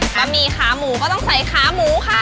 ะหมี่ขาหมูก็ต้องใส่ขาหมูค่ะ